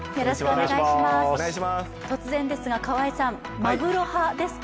突然ですが河合さんまぐろ派ですか？